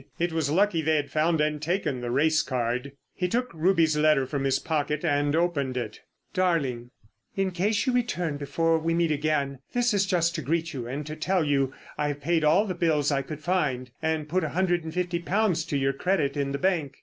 It was lucky they had found and taken the race card. He took Ruby's letter from his pocket and opened it: "DARLING,— "In case you return before we meet again, this is just to greet you and to tell you I have paid all the bills I could find, and put a hundred and fifty pounds to your credit in the bank.